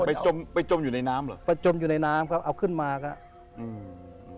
จมไปจมอยู่ในน้ำเหรอไปจมอยู่ในน้ำครับเอาขึ้นมาครับอืม